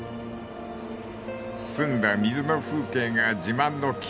［澄んだ水の風景が自慢の清川村］